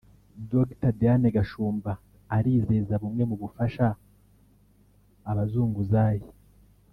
Dr Diane Gashumba arizeza bumwe mu bufasha abazunguzayi